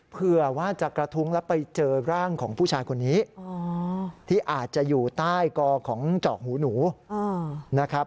เผื่อว่าจะกระทุ้งแล้วไปเจอร่างของผู้ชายคนนี้ที่อาจจะอยู่ใต้กอของจอกหูหนูนะครับ